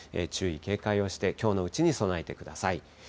注意、警戒をして、きょうのうちに備えてください。